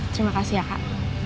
terima kasih ya kak